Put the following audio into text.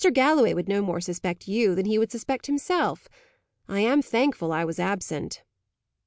Galloway would no more suspect you, than he would suspect himself. I am thankful I was absent."